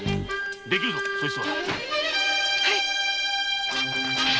できるぞそいつは。